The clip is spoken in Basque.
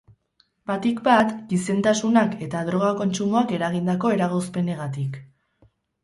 Batik bat, gizentasunak eta droga kontsumoak eragindako eragozpenegatik.